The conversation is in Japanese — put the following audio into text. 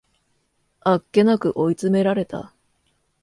あっけなく追い詰められた